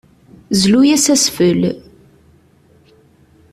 Zlu-as asfel.